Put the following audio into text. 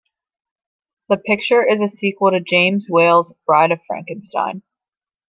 The picture is a sequel to James Whale's "Bride of Frankenstein".